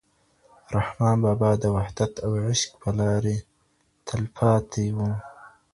رحمان بابا د وحدت او عشق په لارې تل پاتې و.